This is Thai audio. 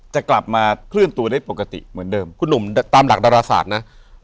จะกลับมาเคลื่อนตัวได้ปกติเหมือนเดิมคุณหนุ่มตามหลักดาราศาสตร์นะ